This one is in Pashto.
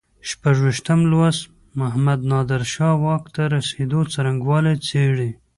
شپږویشتم لوست محمد نادر شاه واک ته رسېدو څرنګوالی څېړي.